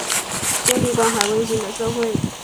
建立关怀温馨的社会